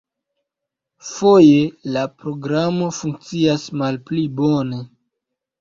Foje la programo funkcias malpli bone.